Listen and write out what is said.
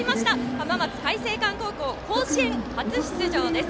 浜松開誠館高校甲子園初出場です。